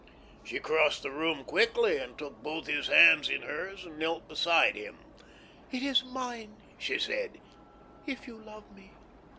She crossed the room quickly and took both his hands in hers and knelt beside him. "It is mine," she said, "if you love me.